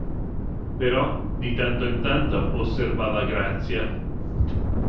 Però di tanto in tanto osservava Grazia.